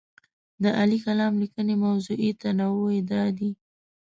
د عالي کالم لیکنې موضوعي تنوع یې دا دی.